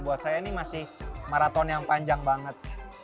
buat saya ini masih maraton yang panjang banget